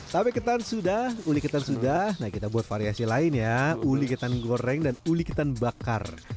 tape ketan sudah uli ketan sudah nah kita buat variasi lain ya uli ketan goreng dan uli ketan bakar